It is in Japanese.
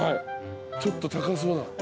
ちょっと高そうな。